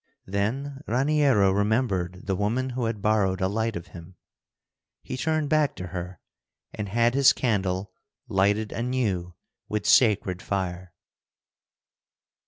Then Raniero remembered the woman who had borrowed a light of him. He turned back to her and had his candle lighted anew with sacred fire.